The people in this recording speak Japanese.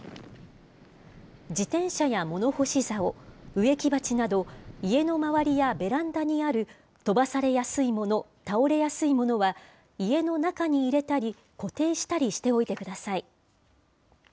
自転車や物干しざお、植木鉢など、家の周りやベランダにある飛ばされやすいもの、倒れやすいものは、家の中に入れたり、固定したりしておいてください。